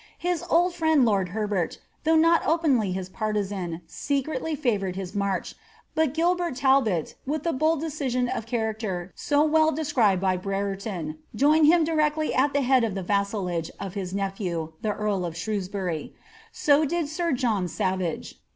His old friend lord Herbert, though not openly his partisan, secretly favoured his march, but Gilbert Talbot, with the bold decision of character so well described by Brereton, joined him directly at the head of the vas salage of his nephew, the earl of Shrewsbury;' so did sir John Savage.